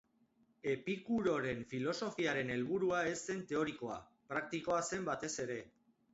Epikuroren filosofiaren helburua ez zen teorikoa, praktikoa zen batez ere.